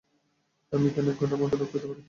আমি এখানে এক ঘন্টার মধ্যে লোক পেতে পারি।